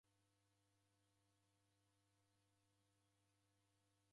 W'ulongozi ghwa isanga.